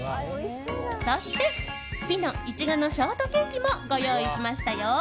そして、ピノ苺のショートケーキもご用意しましたよ！